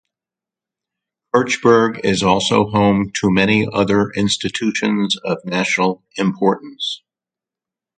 Kirchberg is also home to many other institutions of national importance.